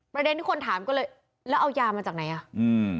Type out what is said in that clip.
ประเด็นที่คนถามก็เลยแล้วเอายามาจากไหนอ่ะอืม